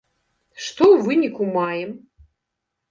Што ў выніку маем?